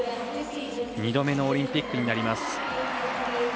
２度目のオリンピックになります。